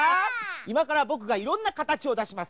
いまからぼくがいろんなかたちをだします。